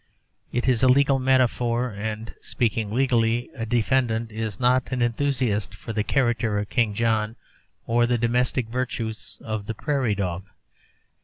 It is a legal metaphor, and, speaking legally, a defendant is not an enthusiast for the character of King John or the domestic virtues of the prairie dog.